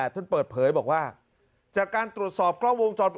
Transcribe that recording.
ท่านเปิดเผยบอกว่าจากการตรวจสอบกล้องวงจรปิ